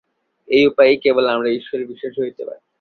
এই উপায়েই কেবল আমরা ঈশ্বরে বিশ্বাসী হইতে পারি।